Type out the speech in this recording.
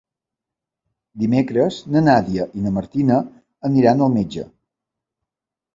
Dimecres na Nàdia i na Martina aniran al metge.